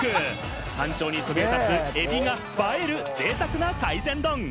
山頂にそびえ立つエビが映える、ぜいたくな海鮮丼。